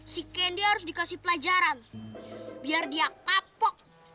si kende harus dikasih pelajaran biar dia kapok